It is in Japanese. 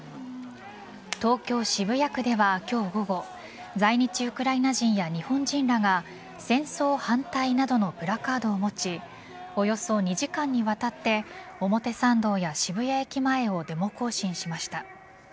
東京・渋谷区では今日午後在日ウクライナ人や日本人らが戦争反対などのプラカードを持ちおよそ２時間にわたって表参道や渋谷駅前をデモ行進しました。